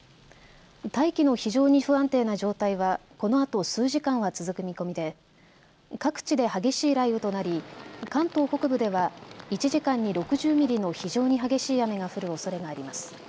大気の非常に不安定な状態はこのあと数時間は続く見込みで各地で激しい雷雨となり関東北部では１時間に６０ミリの非常に激しい雨が降るおそれがあります。